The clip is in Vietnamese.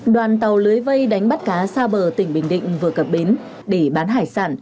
đoàn tàu lưới vây đánh bắt cá xa bờ tỉnh bình định vừa cập bến để bán hải sản